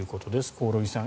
興梠さん